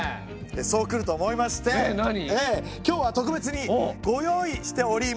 そうくると思いまして今日は特別にご用意しております！